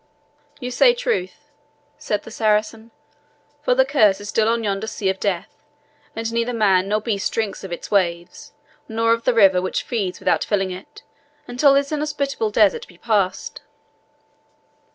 "You say truth," said the Saracen; "for the curse is still on yonder sea of death, and neither man nor beast drinks of its waves, nor of the river which feeds without filling it, until this inhospitable desert be passed."